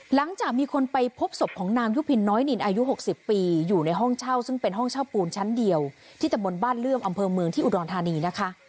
หลังจากมีคนไปพบศพของนางยุพินน้อยนินอายุ๖๐ปีอยู่ในห้องเช่าซึ่งเป็นห้องเช่าปูนชั้นเดียวที่ตำบลบ้านเลื่อมอำเภอเมืองที่อุดรธานีนะคะ